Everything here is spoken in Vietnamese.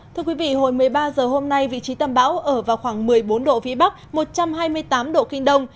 thưa quý vị hồi một mươi ba h hôm nay vị trí tâm bão ở vào khoảng một mươi bốn độ vĩ bắc một trăm hai mươi tám độ kinh đông